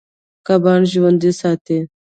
کبان ژوند ساتي.